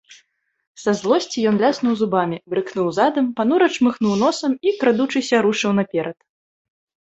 Са злосці ён ляснуў зубамі, брыкнуў задам, панура чмыхнуў носам і, крадучыся, рушыў наперад.